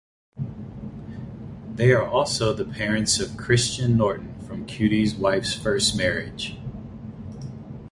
They are also the parents of Christian Norton from Cutie's wife's first marriage.